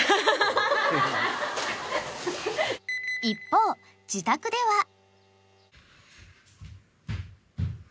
［一方自宅では］